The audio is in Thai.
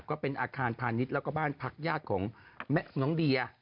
ก็เป็นอาคารพาณิชย์แล้วก็บ้านพักญาติของน้องเดีย